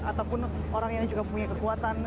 ataupun orang yang juga punya kekuatan